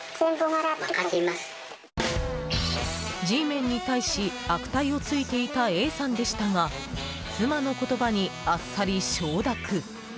Ｇメンに対し悪態をついていたＡさんでしたが妻の言葉にあっさり承諾。